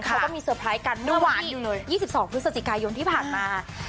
เขาก็มีเตอร์ไพรส์กันเมื่อวาน๒๒พฤศจิกายนที่ผ่านมา